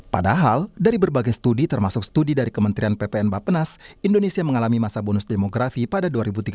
padahal dari berbagai studi termasuk studi dari kementerian ppn bapenas indonesia mengalami masa bonus demografi pada dua ribu tiga belas